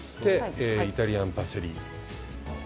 イタリアンパセリです。